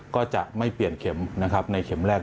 ก็จะไม่เปลี่ยนเข็มนะครับในเข็มแรก